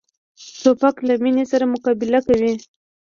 توپک له مینې سره مقابله کوي.